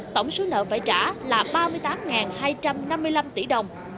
tổng số nợ phải trả là ba mươi tám hai trăm năm mươi năm tỷ đồng